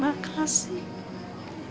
aku mau pergi